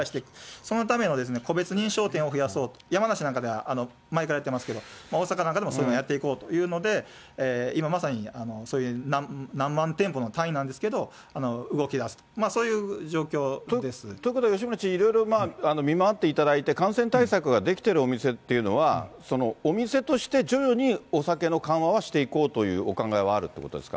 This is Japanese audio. そのための戸別認証店を増やそうと、山梨なんかでは、前からやってますけども、大阪なんかでもそういうことをやっていこうというので、今まさに、そういう何万店舗の単位なんですけれども、動きだすと。ということは、吉村知事、いろいろ見回っていただいて、感染対策ができているお店というのは、お店として徐々にお酒の緩和はしていこうというお考えはあるということですか？